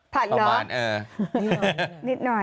ประมาณนิดหน่อย